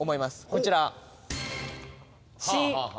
こちら。